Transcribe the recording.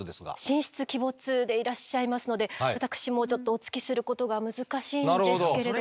神出鬼没でいらっしゃいますので私もちょっとお付きすることが難しいんですけれども。